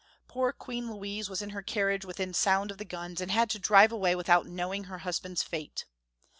Poor Queen Louise was in her carriage within sound of the guns, and had to drive away without knowing her husband's fate.